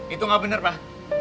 itu gak benar pak